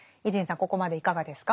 ここまでいかがですか？